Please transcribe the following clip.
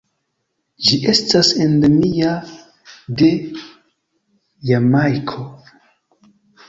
Ĝi estas endemia de Jamajko.